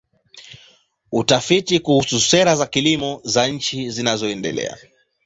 Utafiti kuhusu sera za kilimo za nchi zinazoendelea.